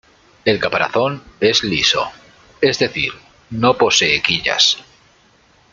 El caparazón es liso, es decir no posee quillas.